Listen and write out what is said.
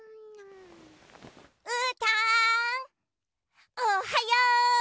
うーたんおはよう！